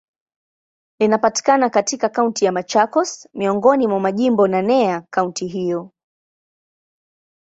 Linapatikana katika Kaunti ya Machakos, miongoni mwa majimbo naneya kaunti hiyo.